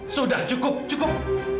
sudah cukup cukup